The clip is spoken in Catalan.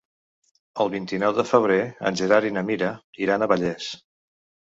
El vint-i-nou de febrer en Gerard i na Mira iran a Vallés.